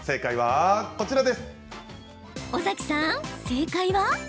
尾崎さん、正解は？